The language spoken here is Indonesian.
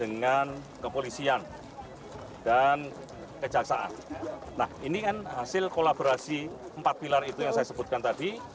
nah ini kan hasil kolaborasi empat pilar itu yang saya sebutkan tadi